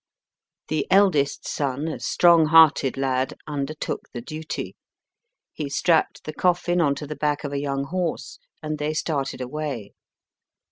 The eldest son, a strong hearted lad, undertook the duty. He strapped the coffin on to the back of a young horse, and they started away.